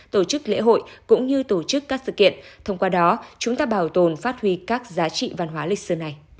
tổ chức lễ hội cũng như tổ chức các sự kiện thông qua đó chúng ta bảo tồn phát huy các giá trị văn hóa lịch sử này